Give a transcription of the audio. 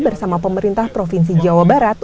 bersama pemerintah provinsi jawa barat